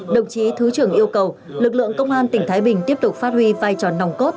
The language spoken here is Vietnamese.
đồng chí thứ trưởng yêu cầu lực lượng công an tỉnh thái bình tiếp tục phát huy vai trò nòng cốt